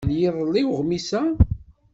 N yiḍelli uɣmis-a.